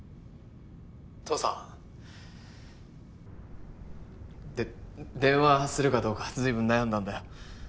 「父さん」で電話するかどうか随分悩んだんだよ